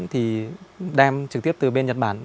thì đem trực tiếp từ bên nhật bản